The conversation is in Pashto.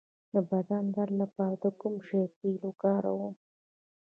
د بدن درد لپاره د کوم شي تېل وکاروم؟